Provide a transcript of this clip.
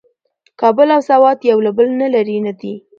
کابل او سوات یو له بل نه لرې نه دي.